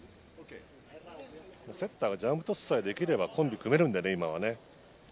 セッターがジャンプトスさえできればコンビを組めるので、今は。